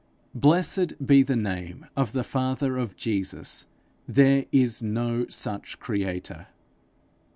Blessed be the name of the Father of Jesus, there is no such creator!